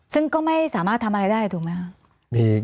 ซึ่งก็ไม่สามารถทำอะไรได้ถูกไหมครับ